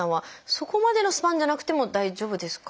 そこまでのスパンじゃなくても大丈夫ですか？